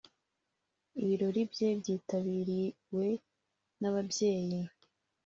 Ibirori bye byitabiriwe n’ababyeyi